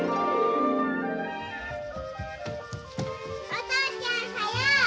お父ちゃんはよう！